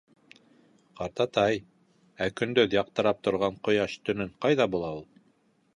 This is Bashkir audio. — Ҡартатай, ә көндөҙ яҡтыртып торған ҡояш төнөн ҡайҙа була ул?